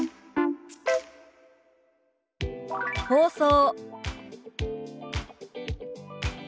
「放送」。